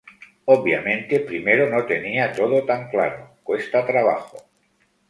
Obviamente primero no tenía todo tan claro, cuesta trabajo.